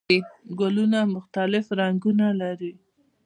ګلونه مختلف رنګونه لري